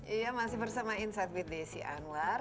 iya masih bersama insight with desi anwar